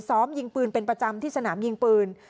ซ้อมยิงปืนเป็นประจำที่สนามยิงปืน